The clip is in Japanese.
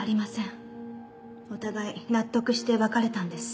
お互い納得して別れたんです。